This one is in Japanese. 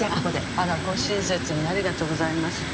あらご親切にありがとうございました。